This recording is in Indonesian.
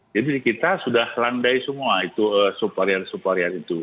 jadi kita sudah landai semua itu superior superior itu